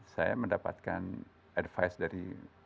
saya mendapatkan advice dari